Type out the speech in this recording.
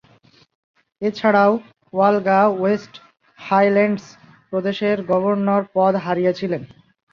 এছাড়াও, Olga West Highlands প্রদেশের governor পদ হারিয়েছিলেন।